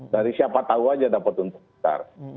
dari siapa tahu saja dapat untung besar